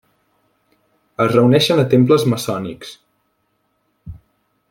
Es reuneixen a temples maçònics.